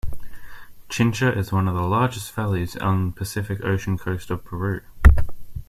Chincha is one the largest valleys on Pacific Ocean coast of Peru.